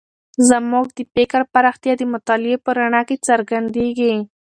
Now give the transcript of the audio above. زموږ د فکر پراختیا د مطالعې په رڼا کې څرګندېږي.